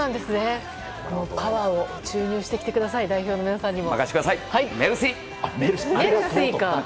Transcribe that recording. パワーを注入してきてください代表の皆さんにも。